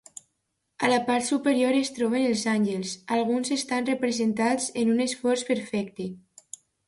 A la part superior es troben els àngels; alguns estan representats en un escorç perfecte.